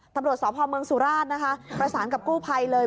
ตำรวจสพเมืองสุราชนะคะประสานกับกู้ภัยเลย